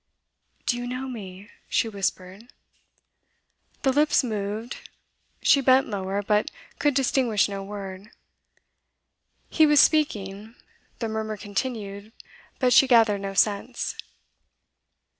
'Do you know me?' she whispered. The lips moved; she bent lower, but could distinguish no word. He was speaking; the murmur continued; but she gathered no sense.